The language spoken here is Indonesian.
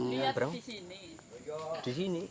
lihat di sini